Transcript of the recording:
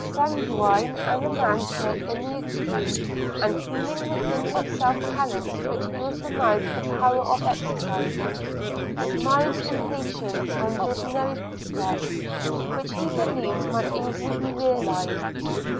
Sanguine and romantic in the extreme, and feeling within himself talents which he was denied the power of exercising, his mind expatiated on visionary prospects, which he believed might easily be realized.